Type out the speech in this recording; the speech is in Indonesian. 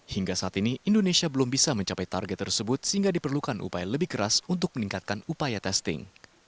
hingga saat ini indonesia belum bisa mencapai target tersebut sehingga diperlukan upaya lebih keras untuk meningkatkan upaya testing